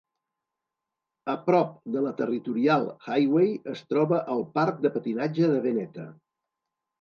A prop de la Territorial Highway es troba el parc de patinatge de Veneta.